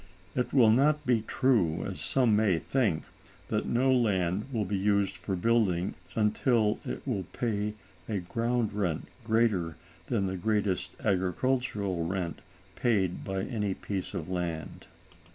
It will not be true, as some may think, that no land will be used for building until it will pay a ground rent greater than the greatest agricultural rent paid by any piece of land.